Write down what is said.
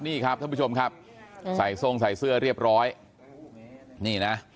นี่ครับท่านผู้ชมครับใส่ทรงใส่เสื้อเรียบร้อยนี่นะ